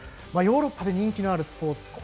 ヨーロッパで人気のあるスポーツ。